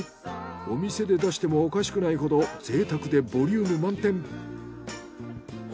お店で出してもおかしくないほどぜいたくでボリューム満点。